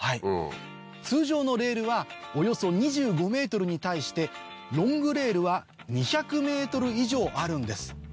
通常のレールはおよそ２５ｍに対してロングレールは２００ｍ以上あるんです。